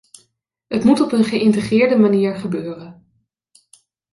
Het moet op een geïntegreerde manier gebeuren.